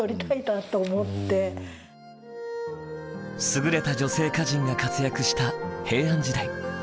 優れた女性歌人が活躍した平安時代。